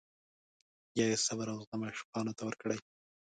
یا یې صبر او زغم عاشقانو ته ورکړی.